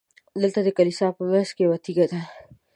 دلته د کلیسا په منځ کې یوه تیږه ده.